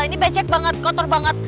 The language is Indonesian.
ini becek banget kotor banget